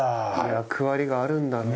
役割があるんだね。